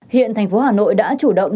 hiện thành phố hà nội đã chủ động